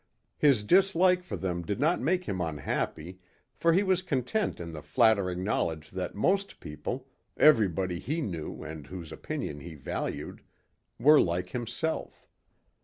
His dislike for them did not make him unhappy for he was content in the flattering knowledge that most people, everybody he knew and whose opinion he valued, were like himself.